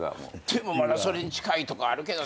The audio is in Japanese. でもまだそれに近いとこあるけどな。